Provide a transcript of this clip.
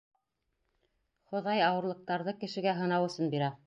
Хоҙай ауырлыҡтарҙы кешегә һынау өсөн бирә.